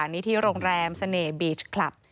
นี่ที่โรงแรมเสน่ห์บีชคลับ